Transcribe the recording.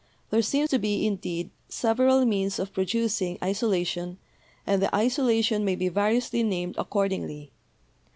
There seem to be, indeed, several means of producing isolation, and the isolation may be variously named accord ingly.